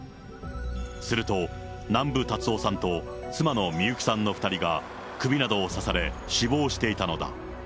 すると、南部達夫さんと妻の観雪さんの２人が首などを刺され、死亡していたのだ。